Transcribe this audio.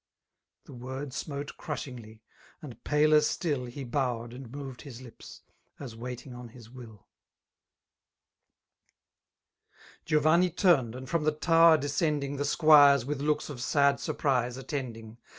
The word smote crushug^y; and paler stilly He bowed/ and moved his lips^ aa waging onhis w3l> Giovanni turned^ and from the tower descending. The squires, with looks of sad surprise, attending.